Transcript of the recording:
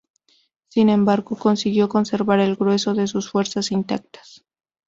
Sin embargo, consiguió conservar el grueso de sus fuerzas intactas.